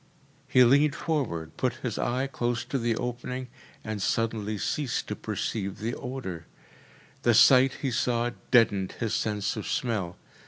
He leaned forward, put his eye close to the opening, and suddenly ceased to perceive the odour. The sight he saw deadened his sense of smell.